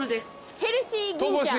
ヘルシー銀ちゃん。